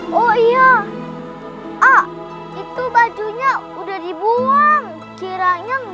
lalu di mana bajunya waktu itu aku pakai